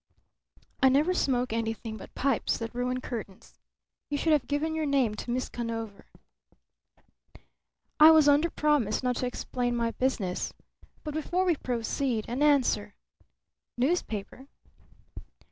"I never smoke anything but pipes that ruin curtains. You should have given your name to Miss Conover." "I was under promise not to explain my business. But before we proceed, an answer. Newspaper?"